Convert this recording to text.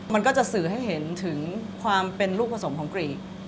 มันก็จะสื่อให้เห็นถึงความเป็นลูกผสมของกรีก